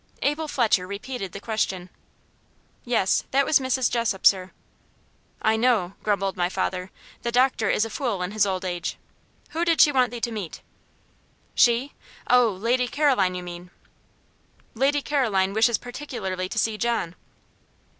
Abel Fletcher repeated the question. "Yes; that was Mrs. Jessop, sir." "I know," grumbled my father. "The doctor is a fool in his old age. Who did she want thee to meet?" "She! Oh, Lady Caroline, you mean?" "Lady Caroline wishes particularly to see John."